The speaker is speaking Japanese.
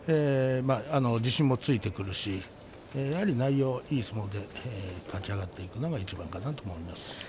自信がついてくるしやはり内容がいい相撲で勝ち上がってくるのがいちばんいいと思います。